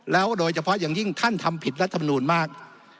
โดยเฉพาะอย่างยิ่งท่านทำผิดรัฐมนูลมาก